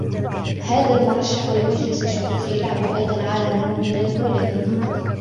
هذا المرشح لمجلس الشيوخ يلعب أيضاً عالم من العلب.